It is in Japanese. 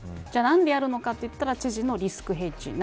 じゃあ、何でやるのかといったら知事のリスクヘッジ。